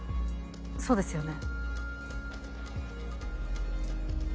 そうですよね？